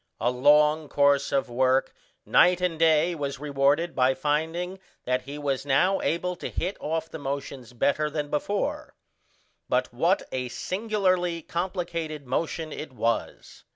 A long course of work night and day was rewarded by finding that he was now able to hit off the motions better than before; but what a singularly complicated motion it was.